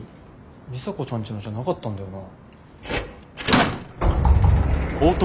里紗子ちゃんちのじゃなかったんだよな。